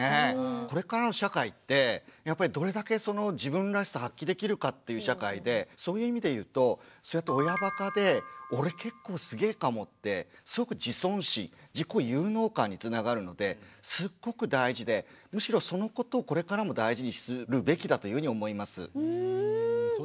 これからの社会ってそういう意味で言うとそうやって親バカで「俺結構すげえかも」ってすごく自尊心自己有能感につながるのですっごく大事でむしろそのことをこれからも大事にするべきだというふうに思います。